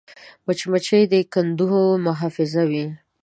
مچمچۍ د کندو محافظ وي